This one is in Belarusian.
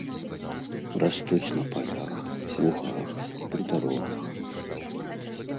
Растуць на палях, лугах, пры дарогах.